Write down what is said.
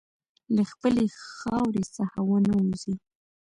له خپلې خاورې څخه ونه وځې.